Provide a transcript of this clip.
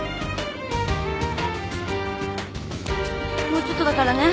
もうちょっとだからね。